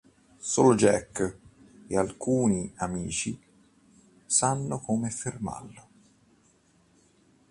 Solo Jack e alcuni amici sanno come fermarlo.